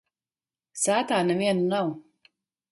Sētā neviena nav.